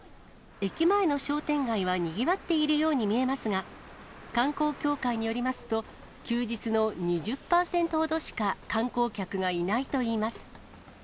駅前の商店街はにぎわっているように見えますが、観光協会によりますと、休日の２０％ほどしか観光客がいないといいます。